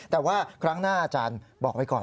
แต่ว่าครั้งหน้าอาจารย์บอกไว้ก่อน